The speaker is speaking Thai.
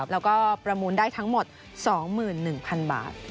แล้วก็ประมูลได้ทั้งหมด๒๑๐๐๐บาท